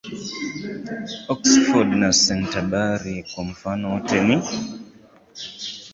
Oxford na Canterbury kwa mfano wote ni